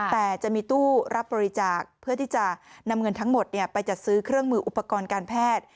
แต่จะมีตู้รับบริจาคเพื่อที่จะนำเงินทั้งหมดไปจัดซื้อเครื่องมืออุปกรณ์การแพทย์